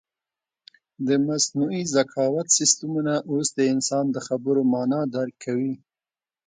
د مصنوعي ذکاوت سیسټمونه اوس د انسان د خبرو مانا درک کوي.